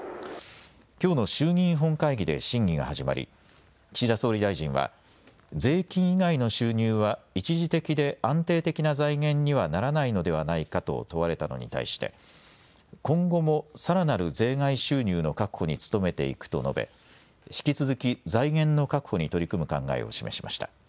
きょうの衆議院本会議で審議が始まり岸田総理大臣は税金以外の収入は一時的で安定的な財源にはならないのではないかと問われたのに対して今後もさらなる税外収入の確保に努めていくと述べ引き続き財源の確保に取り組む考えを示しました。